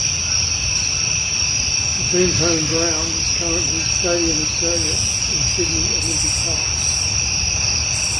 The team's home ground is currently Stadium Australia in Sydney Olympic Park.